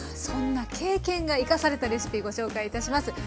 そんな経験が生かされたレシピご紹介いたします。